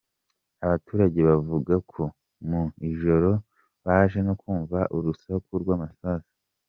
Abaturage bavuga ko mu ijoro baje no kumva urusaku rw’amasasu.